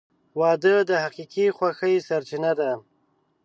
• واده د حقیقي خوښۍ سرچینه ده.